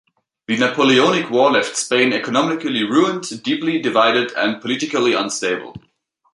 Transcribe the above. The Napoleonic War left Spain economically ruined, deeply divided and politically unstable.